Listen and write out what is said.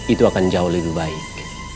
itu akan jauh lebih baik